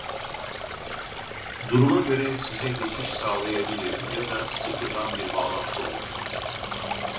Duruma göre size geçiş sağlayabilirim ya da sıfırdan bir bağlantı olabilir